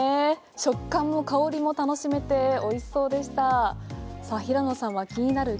食感も香りも楽しめて美味しそうでした。